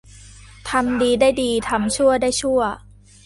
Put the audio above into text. ทำดีได้ดีทำชั่วได้ชั่ว